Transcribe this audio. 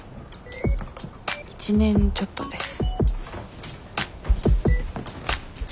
１年ちょっとです。